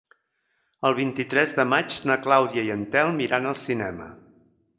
El vint-i-tres de maig na Clàudia i en Telm iran al cinema.